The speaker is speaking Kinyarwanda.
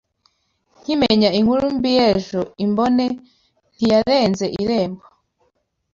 Nkimenya inkuru mbi yejo Imbone ntiyarenze irembo